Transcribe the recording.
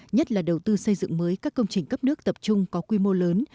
nhất là đầu tư xây dựng mới các công trình cấp nước tập trung có quy mô lớn